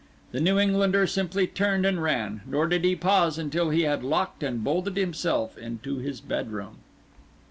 The New Englander simply turned and ran, nor did he pause until he had locked and bolted himself into his bedroom.